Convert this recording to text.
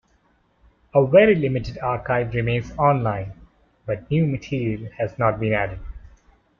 A very limited archive remains online, but new material has not been added.